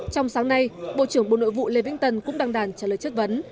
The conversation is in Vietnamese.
trong sáng nay bộ trưởng bộ nội vụ lê vĩnh tân cũng đăng đàn trả lời chất vấn